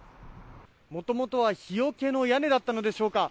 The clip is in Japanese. もともとは日よけの屋根だったのでしょうか